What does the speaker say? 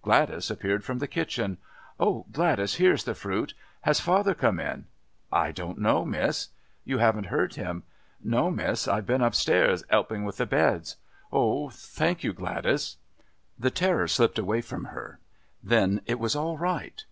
Gladys appeared from the kitchen. "Oh, Gladys, here is the fruit.... Has father come in?" "I don't know, miss." "You haven't heard him?" "No, miss. I've been upstairs, 'elping with the beds." "Oh thank you, Gladys." The terror slipped away from her. Then it was all right.